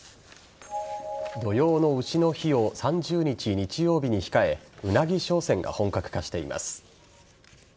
土用の丑の日を３０日日曜日に控えうなぎ商戦が本格化しています。